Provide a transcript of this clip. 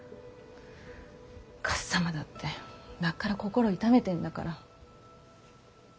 かっさまだってなっから心を痛めてんだから。